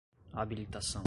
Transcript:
habilitação